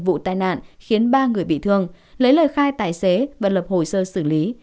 vụ tai nạn khiến ba người bị thương lấy lời khai tài xế và lập hồ sơ xử lý